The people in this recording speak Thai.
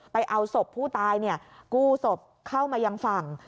เอาศพผู้ตายกู้ศพเข้ามายังฝั่ง